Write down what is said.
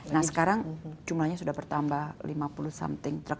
nah sekarang jumlahnya sudah bertambah lima puluh something truk